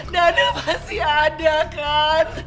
daniel masih ada kan